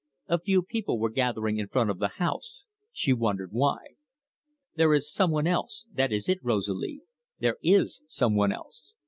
A few people were gathering in front of the house she wondered why. "There is some one else that is it, Rosalie. There is some one else.